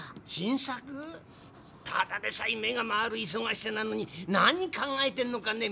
ただでさえ目が回る忙しさなのに何考えてんのかね？